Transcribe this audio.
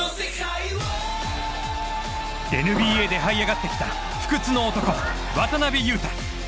ＮＢＡではい上がってきた不屈の男渡邊雄太。